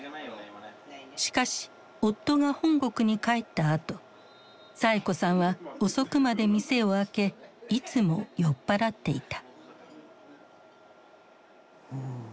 しかし夫が本国に帰ったあとサエ子さんは遅くまで店を開けいつも酔っ払っていた。